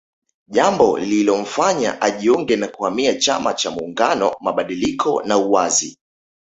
Jambo lililomfanya ajiunge na kuhamia chama cha muungano mabadiliko na uwazi